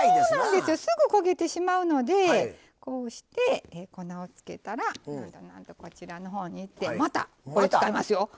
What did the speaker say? そうなんですよすぐ焦げてしまうのでこうして粉をつけたらこちらの方に行ってまたこれ使いますよ。